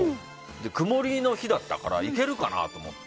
曇りの日だったからいけるかなと思って。